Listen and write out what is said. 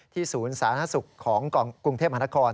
ศูนย์สาธารณสุขของกรุงเทพมหานคร